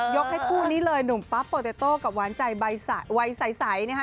ให้คู่นี้เลยหนุ่มปั๊บโปเตโต้กับหวานใจวัยใสนะคะ